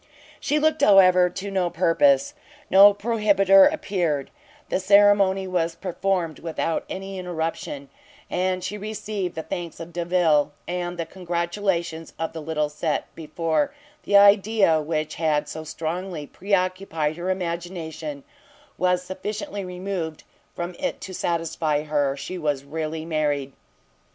She looked, however, to no purpose; no prohibiter appeared, the ceremony was performed without any interruption, and she received the thanks of Delvile, and the congratulations of the little set, before the idea which had so strongly pre occupied her imagination, was sufficiently removed from it to satisfy her she was really married.